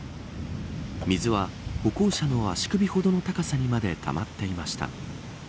水は、歩行者の足首ほどの高さにまでたまっていました。